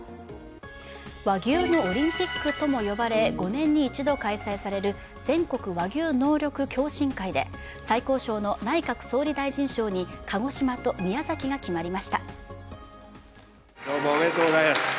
和牛のオリンピックとも呼ばれ、５年に一度開催される全国和牛能力共進会で、最高賞の内閣総理大臣賞に鹿児島と宮崎が決まりました。